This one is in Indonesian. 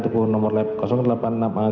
tubuh nomor lab delapan puluh enam a